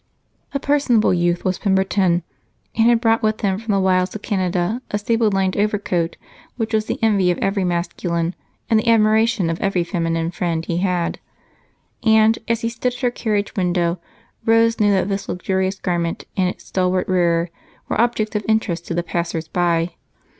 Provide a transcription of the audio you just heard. A personable youth was Pemberton, and had brought with him from the wilds of Canada a sable lined overcoat which was the envy of every masculine and the admiration of every feminine friend he had, and as he stood at her carriage window Rose knew that this luxurious garment and its stalwart wearer were objects of interest to the passersby.